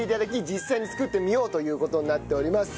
実際に作ってみようという事になっております。